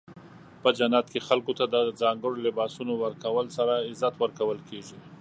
په جنت کې خلکو ته د ځانګړو لباسونو ورکولو سره عزت ورکول کیږي.